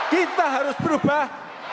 kita harus berubah